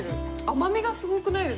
甘みがすごくないですか？